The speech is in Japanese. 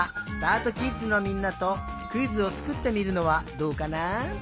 あとキッズのみんなとクイズをつくってみるのはどうかな？